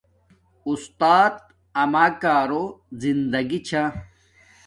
اُستات آماکارو زندگی چھا